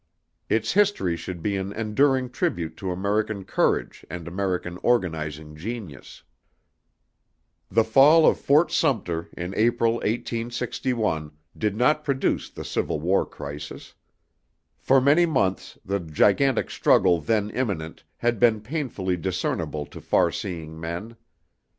Its history should be an enduring tribute to American courage and American organizing genius. The fall of Fort Sumter in April, 1861, did not produce the Civil War crisis. For many months, the gigantic struggle then imminent, had been painfully discernible to far seeing men.